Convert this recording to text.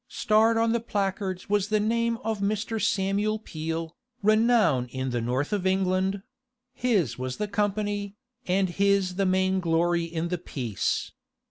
Starred on the placards was the name of Mr. Samuel Peel, renowned in the North of England; his was the company, and his the main glory in the piece.